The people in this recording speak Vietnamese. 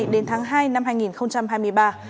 đến tháng hai năm hai nghìn hai mươi ba